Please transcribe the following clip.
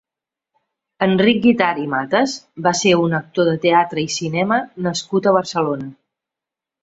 Enric Guitart i Matas va ser un actor de teatre i cinema nascut a Barcelona.